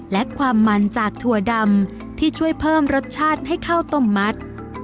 และความมันจากถั่วดำที่ช่วยเพิ่มรสชาติให้ข้าวต้มมัด